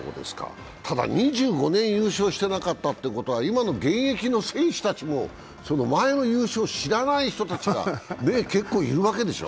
ただ２５年優勝していなかったということは今の現役の選手たちも前の優勝を知らない人たちが結構いるわけでしょう？